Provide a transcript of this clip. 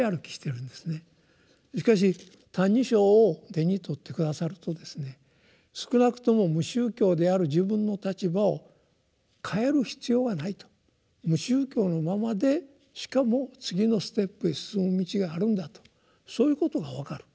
しかし「歎異抄」を手に取って下さるとですね少なくとも無宗教である自分の立場を変える必要はないと無宗教のままでしかも次のステップへ進む道があるんだとそういうことが分かる。